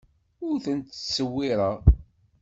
Ur tent-ttṣewwireɣ.